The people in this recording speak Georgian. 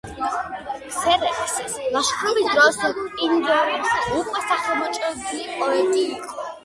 ქსერქსეს ლაშქრობის დროს პინდაროსი უკვე სახელმოხვეჭილი პოეტი იყო.